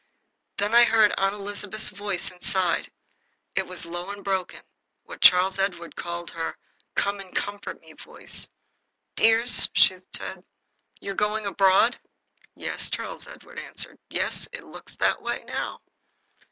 Then I heard Aunt Elizabeth's voice inside. It was low and broken what Charles Edward called once her "come and comfort me" voice. "Dears," said she, "you are going abroad?" "Yes," Charles Edward answered. "Yes, it looks that way now."